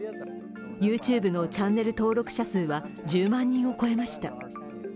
ＹｏｕＴｕｂｅのチャンネル登録者数は１０万人を超えました。